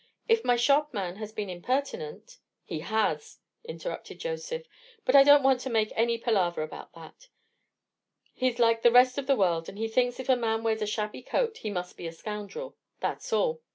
If my shopman has been impertinent—" "He has," interrupted Joseph; "but I don't want to make any palaver about that. He's like the rest of the world, and he thinks if a man wears a shabby coat, he must be a scoundrel; that's all.